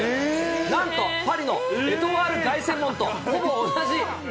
なんと、パリのエトワール凱旋門すごい。